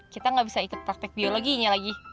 kita gak bisa ikut praktek biologinya lagi